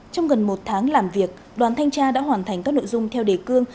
trong gần một tháng làm việc đoàn thanh tra đã hoàn thành các nội dung theo đề cương